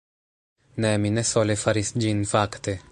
Ne, mi ne sole faris ĝin fakte